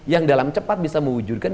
yang dalam cepat bisa mewujudkan